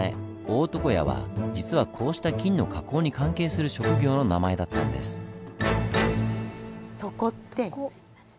「大床屋」は実はこうした金の加工に関係する職業の名前だったんです。はあ。